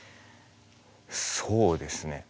そうですね。